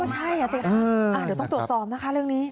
ก็ใช่เดี๋ยวต้องตรวจสอบนะคะเรื่องนี้